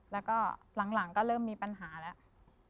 แล้วก็หลังก็เริ่มมีปัญหาแล้ว